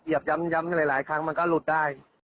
ย้ำหลายครั้งมันก็หลุดได้